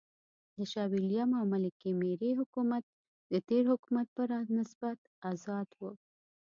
د شاه وېلیم او ملکې مېري حکومت د تېر حکومت پر نسبت آزاد و.